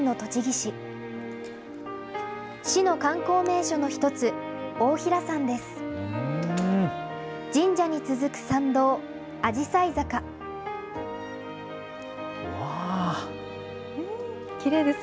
市の観光名所の一つ、太平山です。